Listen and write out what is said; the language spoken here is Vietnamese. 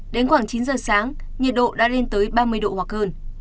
đến khoảng chín giờ sáng nhiệt độ đã lên tới ba mươi độ hoặc hơn